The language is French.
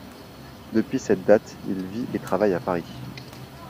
Depuis cette date, il vit et travaille à Paris.